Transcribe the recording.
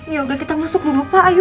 yaudah kita masuk dulu pak ayo